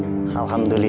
tak pernah kembali ke rumah